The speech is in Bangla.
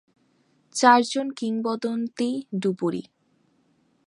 চারজন কিংবদন্তী ডুবুরি।